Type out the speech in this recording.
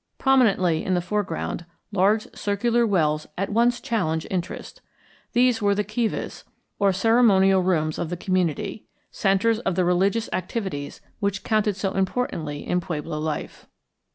Prominently in the foreground, large circular wells at once challenge interest. These were the kivas, or ceremonial rooms of the community, centres of the religious activities which counted so importantly in pueblo life.